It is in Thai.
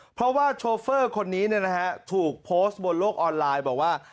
เพราะว่าโชเฟอร์คนนี้ถูกโพสต์บนโลกออนไลน์บอกว่า